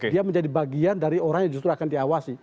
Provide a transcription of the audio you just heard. dia menjadi bagian dari orang yang justru akan diawasi